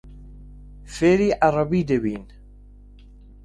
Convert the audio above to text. فێری عەرەبی دەبین.